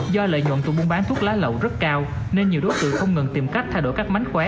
do lợi nhuận từ buôn bán thuốc lá lậu rất cao nên nhiều đối tượng không ngừng tìm cách thay đổi các mánh khóe